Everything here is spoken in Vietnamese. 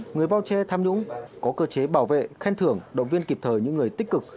người bao che tham nhũng có cơ chế bảo vệ khen thưởng động viên kịp thời những người tích cực